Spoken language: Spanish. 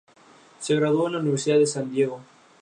Se graduó en la Universidad de San Diego.